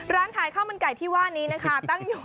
ร้านขายข้าวมันไก่ที่ว่านี้นะคะตั้งอยู่